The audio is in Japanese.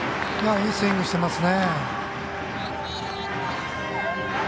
いいスイングしていますね。